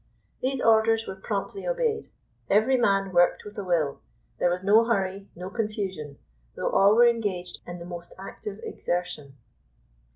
These orders were promptly obeyed. Every man worked with a will. There was no hurry, no confusion, though all were engaged in the most active exertion.